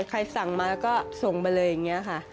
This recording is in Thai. ใครสั่งมาก็ส่งไปเลยอย่างนี้ค่ะ